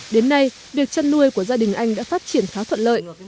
đến nay việc chăn nuôi của gia đình anh đã phát triển khá thuận lợi